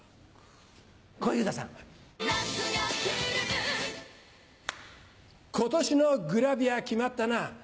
小遊三さん。夏が来る今年のグラビア決まったな。